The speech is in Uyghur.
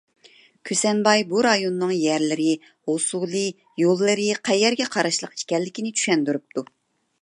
كۈسەنباي بۇ رايوننىڭ يەرلىرى، ھوسۇلى، يوللىرى، قەيەرگە قاراشلىق ئىكەنلىكىنى چۈشەندۈرۈپتۇ.